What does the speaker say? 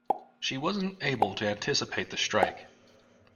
She wasn't able to anticipate the strike.